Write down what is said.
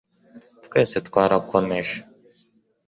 Twese twarakomeje